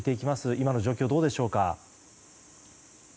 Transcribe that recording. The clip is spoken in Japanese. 今の状況どうでしょうか。